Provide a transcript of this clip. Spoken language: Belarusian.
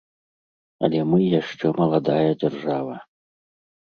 Але мы яшчэ маладая дзяржава.